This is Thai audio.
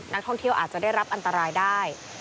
นักท่องเที่ยวอาจจะได้รับอันตรายได้